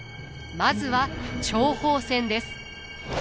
まずは諜報戦です。